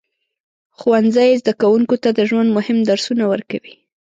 ښوونځی زده کوونکو ته د ژوند مهم درسونه ورکوي.